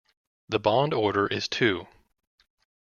The bond order is two.